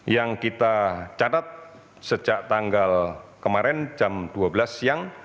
yang kita catat sejak tanggal kemarin jam dua belas siang